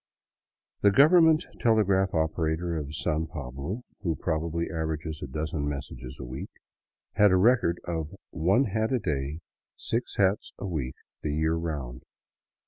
The government telegraph operator of San Pablo —■ who probably aver ages a dozen messages a week — had a record of one hat a day, six hats a week, the year round.